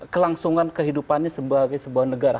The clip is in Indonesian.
kelangsungan kehidupannya sebagai sebuah negara